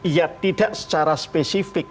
ya tidak secara spesifik